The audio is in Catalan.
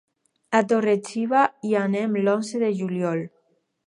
A Torre-xiva hi anem l'onze de juliol.